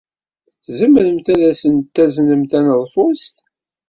Tzemremt ad asen-taznem taneḍfust?